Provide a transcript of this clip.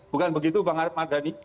bukan begitu pak madani